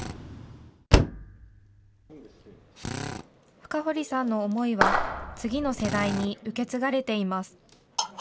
深堀さんの思いは、次の世代に受け継がれています。